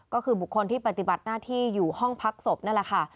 ก็คือบุคคลที่ปฏิบัติหน้าที่อยู่ห้องพักศพนั่นแหละค่ะ